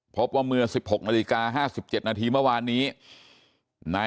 พบว่าเมื่อ๑๖นาฬิกา